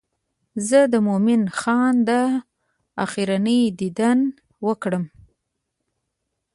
زه د مومن خان دا آخرنی دیدن وکړم.